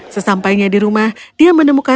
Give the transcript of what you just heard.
sesampainya di rumah dia menemukan